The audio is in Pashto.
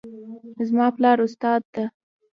زما پلار استاد ده